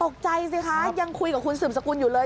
ตกใจสิคะยังคุยกับคุณสืบสกุลอยู่เลย